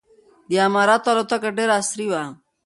د اماراتو الوتکه ډېره عصري وه.